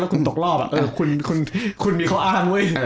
แล้วคุณตกรอบคุณมีข้ออ้าง